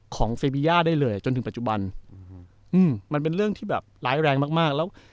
ของเซบีย่าได้เลยจนถึงปัจจุบันอืมมันเป็นเรื่องที่แบบร้ายแรงมากมากแล้ว